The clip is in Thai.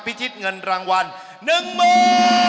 พิษิศเงินรางวัลหนึ่งมือ